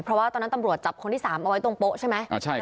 เพราะว่าตอนนั้นตำรวจจับคนที่๓เอาไว้ตรงโป๊ะใช่ไหม